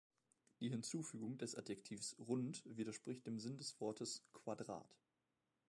Die Hinzufügung des Adjektivs "rund" widerspricht dem Sinn des Wortes "Quadrat".